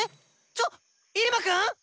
ちょっイルマくん⁉